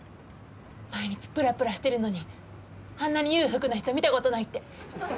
「毎日ぷらぷらしてるのにあんなに裕福な人見たことない」って。